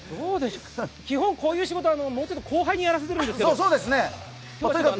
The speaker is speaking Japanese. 基本的にこういう仕事はもうちょっと後輩にやらせているんですけど。